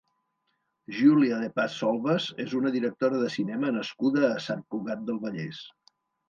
Júlia de Paz Solvas és una directora de cinema nascuda a Sant Cugat del Vallès.